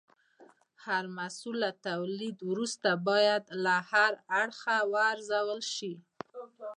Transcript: هر محصول له تولید وروسته باید له هر اړخه وارزول شي.